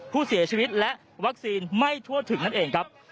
ผู้เสียชีวิตและวัคซีนไม่ทั่วถึงนั่นเองครับ